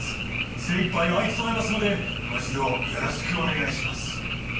精いっぱい相務めますのでご指導よろしくお願いします。